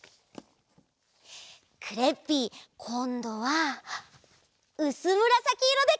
クレッピーこんどはうすむらさきいろでかいてみる！